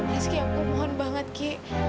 meski aku mohon banget ki